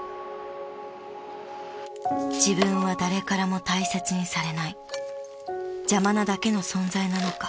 ［自分は誰からも大切にされない］［邪魔なだけの存在なのか］